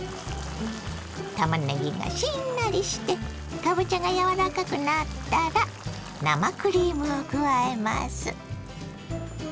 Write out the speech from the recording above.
たまねぎがしんなりしてかぼちゃが柔らかくなったら生クリームを加えます。